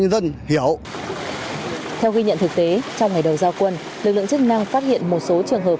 dân hiểu theo ghi nhận thực tế trong ngày đầu giao quân lực lượng chức năng phát hiện một số trường hợp